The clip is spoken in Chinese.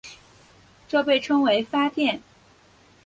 这被称为发电。